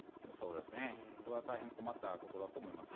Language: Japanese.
これは大変困ったことだと思います。